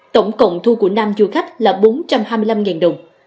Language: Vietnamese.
tổng cộng thu của nam du khách là bốn trăm hai mươi năm đồng